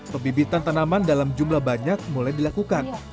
pebibitan tanaman dalam jumlah banyak mulai dilakukan